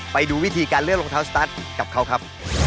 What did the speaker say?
ไปดูวิธีการเลือกรองเท้าสตาร์ทกับเขาครับ